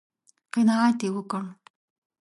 _قناعت يې وکړ؟